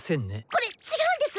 これっちがうんです！